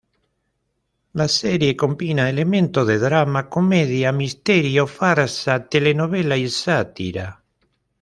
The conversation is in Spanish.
La serie combina elementos de drama, comedia, misterio, farsa, telenovela y sátira.